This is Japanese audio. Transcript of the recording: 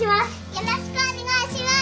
よろしくお願えします。